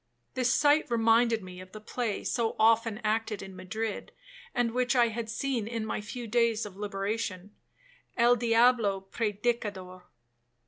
This sight reminded me of the play so often acted in Madrid, and which I had seen in my few days of liberation,—El diablo Predicador.